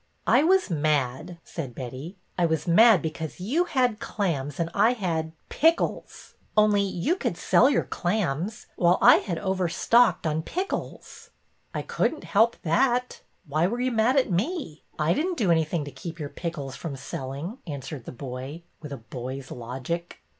'' I was mad," said Betty. I was mad be cause you had clams and I had — pickles ! Only you could sell your clams while I had over stocked on pickles." '' I could n't help that. Why were you mad at me ? I did n't do anything to keep your pickles from selling," answered the boy, with a boy's logic.